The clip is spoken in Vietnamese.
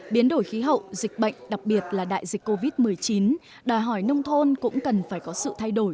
biến đổi khí hậu dịch bệnh đặc biệt là đại dịch covid một mươi chín đòi hỏi nông thôn cũng cần phải có sự thay đổi